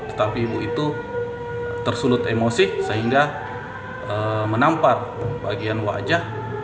tetapi ibu itu tersulut emosi sehingga menampar bagian wajah